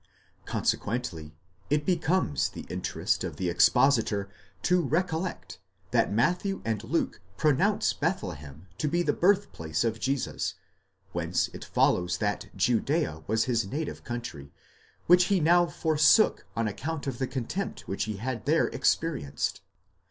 €onsequently, it becomes the interest of the expositor to recollect, that Matthew and Luke pronounce Bethlehem to be the birthplace of Jesus, whence it follows that Judea was his native country, which he now forsook on account of the contempt he had there experienced.?